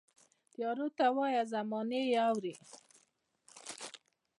تیارو ته وایه، زمانه یې اورې